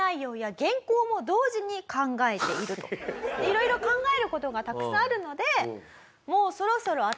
色々考える事がたくさんあるので。